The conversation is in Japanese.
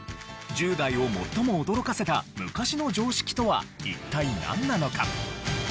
１０代を最も驚かせた昔の常識とは一体なんなのか？